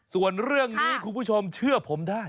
ส่วนเรื่องนี้คุณผู้ชมเชื่อผมได้